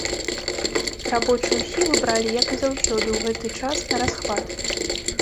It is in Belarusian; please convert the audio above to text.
Рабочую сілу бралі, як і заўсёды ў гэты час, нарасхват.